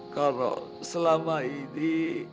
kalau selama ini